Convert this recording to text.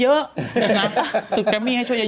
ตึกแม่มีให้ช่วยเยอะ